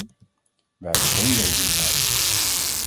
Wij hebben geen lezing geëist.